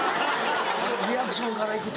リアクションから行くと。